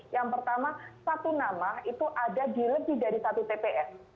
yang pertama satu nama itu ada di lebih dari satu tps